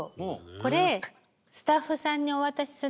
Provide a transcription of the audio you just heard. これスタッフさんにお渡しするので。